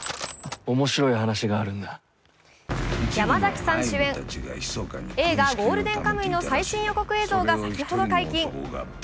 山崎さん主演映画「ゴールデンカムイ」の最新予告映像が先ほど解禁。